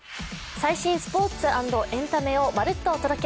最新スポーツ＆エンタメをまるっとお届け。